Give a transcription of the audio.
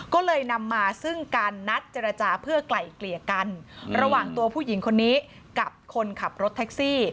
ก็เลยนำมาซึ่งการนัดเจรจาเพื่อไกล่เกลี่ยกันระหว่างตัวผู้หญิงคนนี้กับคนขับรถแท็กซี่